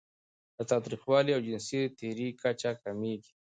د تاوتریخوالي او جنسي تیري کچه کمېږي.